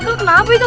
gatel kenapa itu